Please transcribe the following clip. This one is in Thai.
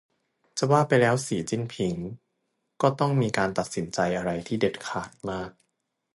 จะว่าไปแล้ว สี จิ้นผิง ก็ต้องมีการตัดสินใจอะไรที่เด็ดขาดมาก